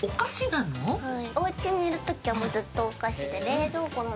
はい。